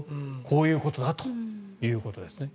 こういうことだということですね。